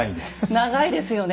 長いですよね。